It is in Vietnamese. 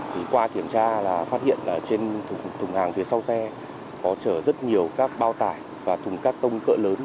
thì qua kiểm tra là phát hiện là trên thùng hàng phía sau xe có chở rất nhiều các bao tải và thùng cắt tông cỡ lớn